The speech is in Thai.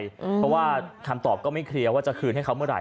เพราะว่าคำตอบก็ไม่เคลียร์ว่าจะคืนให้เขาเมื่อไห